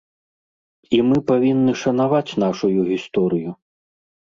І мы павінны шанаваць нашую гісторыю.